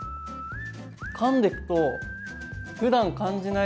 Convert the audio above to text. かんでくとふだん感じない